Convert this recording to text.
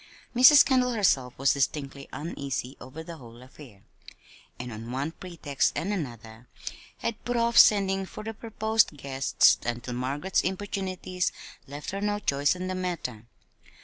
Mrs. Kendall herself was distinctly uneasy over the whole affair; and on one pretext and another had put off sending for the proposed guests until Margaret's importunities left her no choice in the matter.